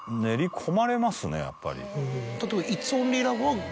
例えば。